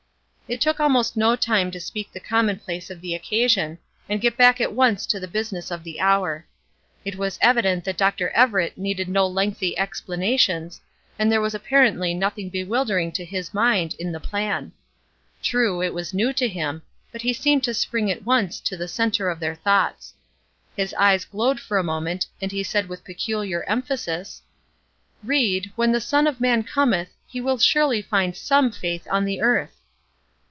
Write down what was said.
It took almost no time to speak the commonplace of the occasion, and get back at once to the business of the hour. It was evident that Dr. Everett needed no lengthy explanations, and there was apparently nothing bewildering to his mind in the plan. True, it was new to him, but he seemed to spring at once to the centre of their thoughts. His eyes glowed for a moment, and he said with peculiar emphasis: "Ried, when the son of man cometh, he will surely find some faith on the earth!"